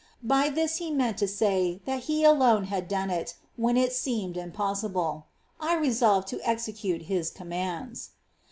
By this He meant to say that He alone had done it, when it seemed impossible.^ I resolved to execute His commands.